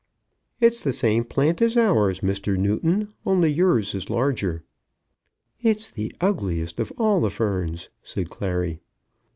"It's the same plant as ours, Mr. Newton, only yours is larger." "It's the ugliest of all the ferns," said Clary.